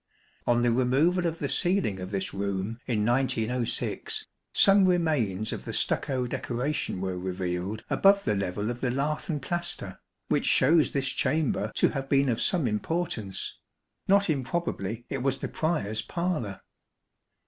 On the removal of the ceiling of this room in 1906, some remains of the stucco decoration were revealed above the level of the lath and plaster, which shows this chamber to have been of some importance. Not improbably it was the Prior's parlour.